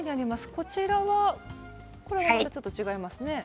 こちらはこれはまたちょっと違いますね。